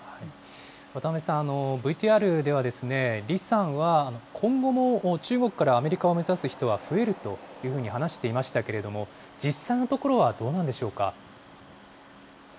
渡辺さん、ＶＴＲではですね、李さんは今後も中国からアメリカを目指す人は増えるというふうに話していましたけれども、実際のところはどうなんでしょうか。